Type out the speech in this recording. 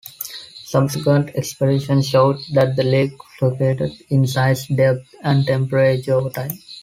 Subsequent expeditions showed that the lake fluctuated in size, depth, and temperature over time.